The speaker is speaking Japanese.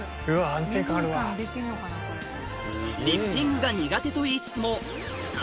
リフティングが苦手と言いつつもいや。